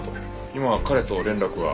今彼と連絡は？